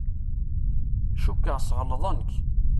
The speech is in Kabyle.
Cukkeɣ sɣelḍen-k.